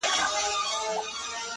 کاڼی مي د چا په لاس کي وليدی!!